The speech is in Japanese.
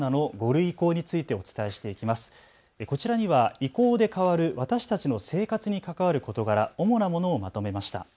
移行で変わる私たちの生活に関わる事柄、主なものをまとめました。